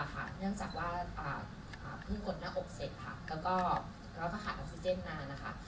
เนื่องจากว่าเพิ่งกดหน้าอกเสร็จค่ะแล้วก็ขาดออกซิเจนมานะคะ